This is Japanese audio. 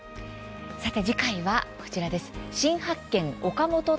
さて次回は、こちらです。